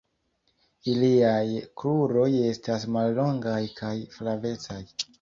Iliaj kruroj estas mallongaj kaj flavecaj.